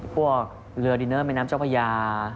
พวกเรือดินเนอร์แม่น้ำเจ้าพญา